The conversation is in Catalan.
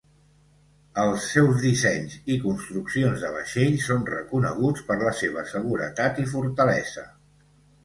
Els seus dissenys i construccions de vaixells són reconeguts per la seva seguretat i fortalesa.